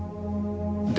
で